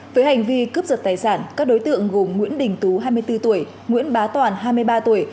với hành vi cướp giật tài sản các đối tượng gồm nguyễn đình tú hai mươi bốn tuổi nguyễn bá toàn hai mươi ba tuổi